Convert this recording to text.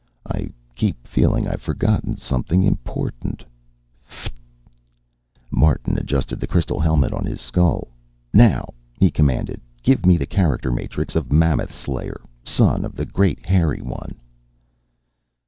"I keep feeling I've forgotten something important. F (t)." Martin adjusted the crystal helmet on his skull. "Now," he commanded. "Give me the character matrix of Mammoth Slayer, son of the Great Hairy One."